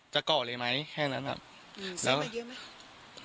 ฟังเสียงลูกจ้างรัฐตรเนธค่ะ